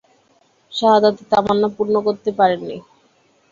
শাহাদাতের তামান্না পূর্ণ করতে পারেননি।